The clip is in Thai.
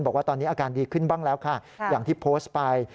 บอกว่าตอนนี้อาการดีขึ้นบ้างแล้วค่ะอย่างที่โพสต์ไป